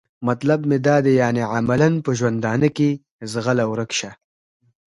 مطلب مې دا دی یعنې عملاً په ژوندانه کې؟ ځغله ورک شه.